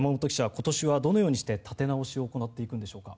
今年はどのようにして立て直しを行っていくんでしょうか。